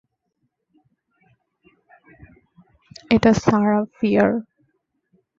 এটা Sarah fear.